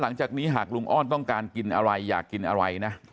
หลังจากนี้หากลุงอ้อนต้องการกินอะไรอยากกินอะไรนะ